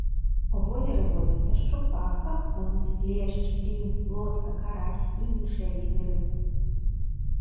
У возеры водзяцца шчупак, акунь, лешч, лінь, плотка, карась і іншыя віды рыб.